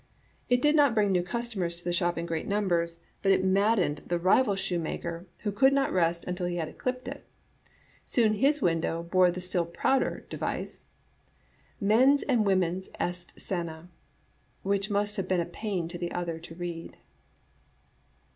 It did not bring new customers to the shop in great numbers, but it maddened the rival shoemaker, who could not rest un til he had eclipsed it. Soon his window bore the still prouder device. Mens and Womens est Sana^ which must have been a pain to the other to read.